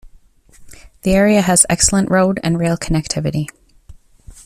The area has excellent road and rail connectivity.